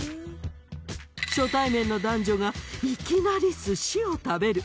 初対面の男女がいきなり寿司を食べる。